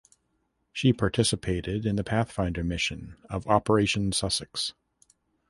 She participated in the Pathfinder Mission of Operation Sussex.